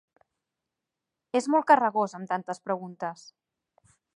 És molt carregós, amb tantes preguntes!